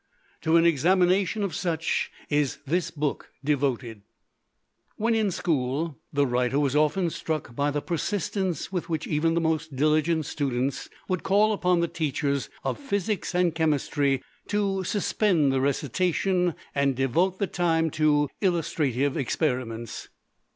To an examination of such is this book devoted. When in school, the writer was often struck by the persistence with which even the most diligent students would call upon the teachers of physics and chemistry to suspend the recitation and devote the time to illustrative experiments.